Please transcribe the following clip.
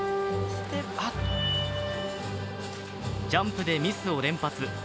ジャンプでミスを連発。